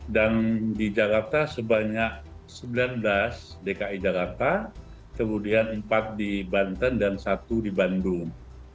dan di jakarta sebanyak sembilan belas dki jakarta kemudian empat di banten dan satu di bandung